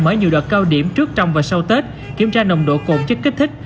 mở nhiều đợt cao điểm trước trong và sau tết kiểm tra nồng độ cồn chất kích thích